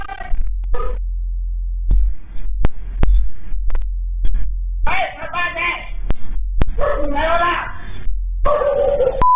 วิธีที่สุดท้ายที่จะขึ้นก็เป็นเหตุการณ์ที่ที่มีคนเสียง